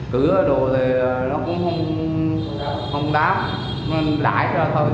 cửa đồ thì nó cũng không đám nó đải ra thôi